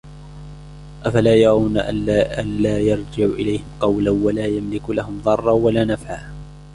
أَفَلَا يَرَوْنَ أَلَّا يَرْجِعُ إِلَيْهِمْ قَوْلًا وَلَا يَمْلِكُ لَهُمْ ضَرًّا وَلَا نَفْعًا